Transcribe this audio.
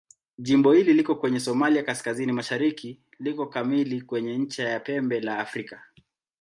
Jimbo hili liko kwenye Somalia kaskazini-mashariki liko kamili kwenye ncha ya Pembe la Afrika.